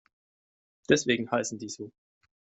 Deswegen heißen die so.